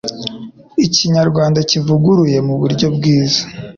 Ikinyarwanda kivuguruye muburyo bwiza !!!